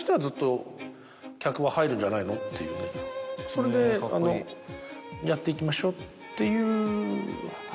それでやっていきましょうっていう話はして。